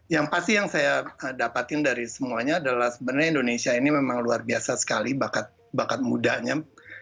yang pasti yang saya dapatin dari semuanya adalah sebenarnya indonesia ini memang luar biasa sekali bakat mudanya